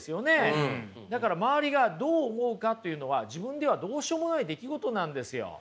だから周りがどう思うかっていうのは自分ではどうしようもない出来事なんですよ。